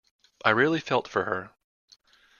I really felt for her.